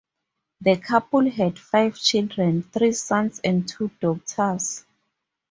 The couple had five children, three sons and two daughters.